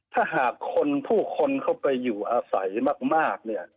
ถ้าหากผู้คนเข้าไปอยู่อาศัยมาก